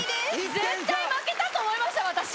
絶対負けたと思いました私。